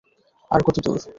আর কত দূর?